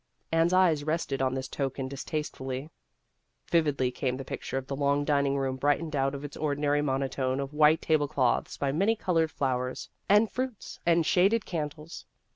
Anne's eyes rested on this token dis tastefully. Vividly came the picture of the long dining room brightened out of its ordinary monotone of white table cloths by many colored flowers and fruits and shaded candles.